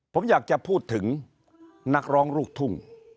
ผมอยากจะพูดถึงนักร้องลูกทุ่ง